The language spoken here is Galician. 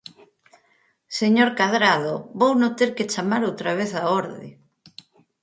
Señor Cadrado, vouno ter que chamar outra vez á orde.